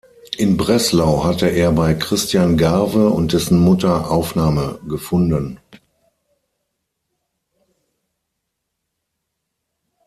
In Breslau hatte er bei Christian Garve und dessen Mutter Aufnahme gefunden.